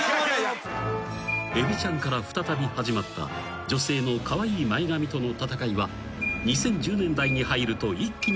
［エビちゃんから再び始まった女性のカワイイ前髪との戦いは２０１０年代に入ると一気に激化する］